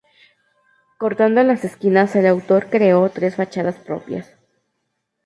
Cortando las esquinas el autor creó tres fachadas propias.